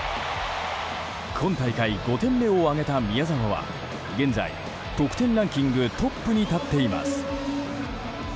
今大会５点目を挙げた宮澤は現在、得点ランキングトップに立っています。